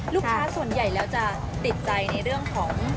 ลูกค้าส่วนใหญ่แล้วจะติดใจในเรื่องของ